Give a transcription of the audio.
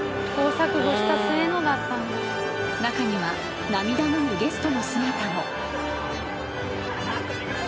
［中には涙ぐむゲストの姿も］